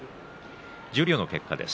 十両の結果です。